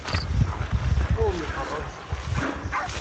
Qquren yiqerra-nsen.